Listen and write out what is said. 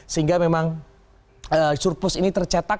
sehingga memang surplus ini tercetak